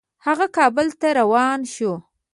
هغه کابل ته روان شو.